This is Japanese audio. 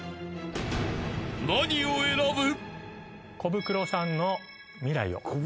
［何を選ぶ？］